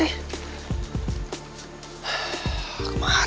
eh eh kemana lo